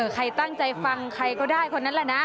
ใครตั้งใจฟังใครก็ได้คนนั้นแหละนะ